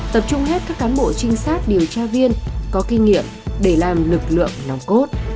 tập trung hết các cán bộ trinh sát điều tra viên có kinh nghiệm để làm lực lượng nòng cốt